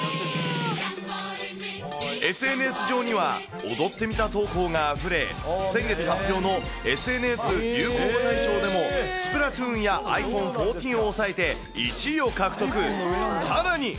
ＳＮＳ上には、踊ってみた投稿があふれ、先月発表のＳＮＳ流行語大賞でも、スプラトゥーンやｉＰｈｏｎｅ１４を押さえて１位を獲得。